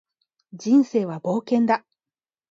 人生は冒険だ